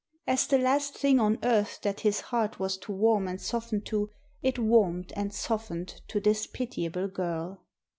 As the last thing on earth that his heart was to warm and soften to, it warmed and softened to this pitiable girl.